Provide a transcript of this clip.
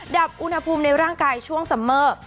ดับอุณหภูมิในร่างกายช่วงซัมเมอร์